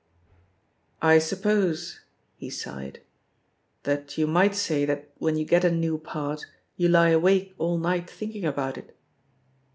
"I suppose," he sighed, "that you might say that when you get a new part you lie awake all night thinking about it?"